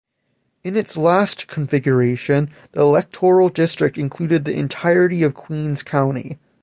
In its last configuration, the electoral district included the entirety of Queens County.